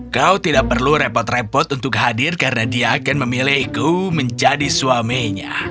kau tidak perlu repot repot untuk hadir karena dia akan memilihku menjadi suaminya